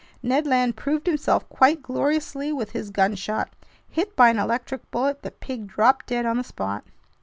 Ned Land proved himself quite gloriously with his gunshot. Hit by an electric bullet, the pig dropped dead on the spot.